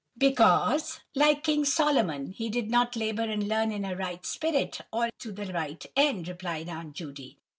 "Because, like King Solomon, he did not labour and learn in a right spirit, or to a right end," replied Aunt Judy.